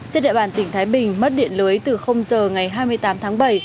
trên địa bàn tỉnh thái bình mất điện lưới từ giờ ngày hai mươi tám tháng bảy